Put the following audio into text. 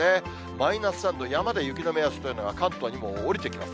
マイナス３度、山で雪の目安というのが、関東にも降りてきます。